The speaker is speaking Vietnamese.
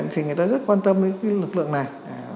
thì người ta rất quan tâm đến cái lực lượng này